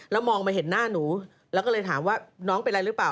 แล้วมองมาเห็นหน้าหนูแล้วก็เลยถามว่าน้องเป็นอะไรหรือเปล่า